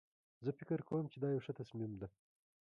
زه فکر کوم چې دا یو ښه تصمیم ده